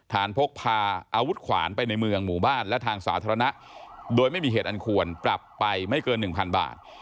พกพาอาวุธขวานไปในเมืองหมู่บ้านและทางสาธารณะโดยไม่มีเหตุอันควรปรับไปไม่เกิน๑๐๐บาท